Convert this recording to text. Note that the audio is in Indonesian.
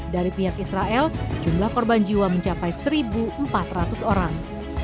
dari pihak israel jumlah korban jiwa mencapai satu empat ratus orang